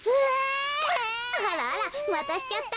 あらあらまたしちゃった？